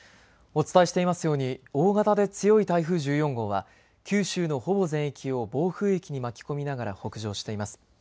お伝えしていますように大型で強い台風１４号は九州のほぼ全域を暴風域に巻き込みながら北上しています。